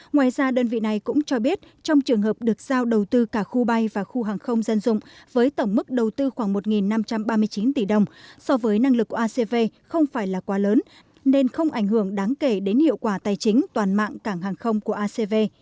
ngoài ra đơn vị này cũng cho biết trong trường hợp được giao đầu tư cả khu bay và khu hàng không dân dụng với tổng mức đầu tư khoảng một năm trăm ba mươi chín tỷ đồng so với năng lực của acv không phải là quá lớn nên không ảnh hưởng đáng kể đến hiệu quả tài chính toàn mạng cảng hàng không của acv